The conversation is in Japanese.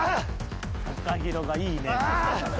ＴＡＫＡＨＩＲＯがいいね。